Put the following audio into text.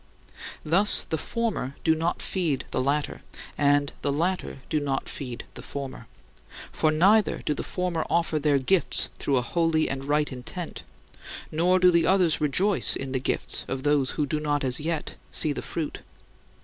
Thus the former do not feed the latter, and the latter do not feed the former; for neither do the former offer their "gifts" through a holy and right intent, nor do the others rejoice in the gifts of those who do not as yet see the "fruit."